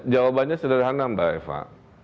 jawabannya sederhana mbak eva